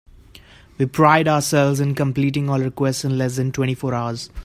We pride ourselves in completing all requests in less than twenty four hours.